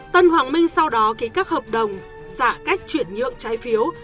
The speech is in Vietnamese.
tân hoàng minh sau đó ký các hợp đồng xả cách chuyển nhượng trái phiếu